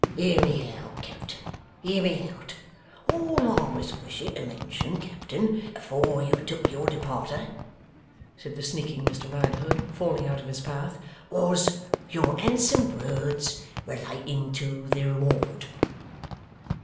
'Hear me out, Captain, hear me out! All I was wishing to mention, Captain, afore you took your departer,' said the sneaking Mr Riderhood, falling out of his path, 'was, your handsome words relating to the reward.